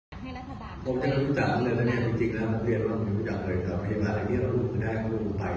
ผมก็คิดว่ารู้จักเค้าเลยนะคะจากชุมพยายามพุทธเราคิดว่าเขารู้จักเลย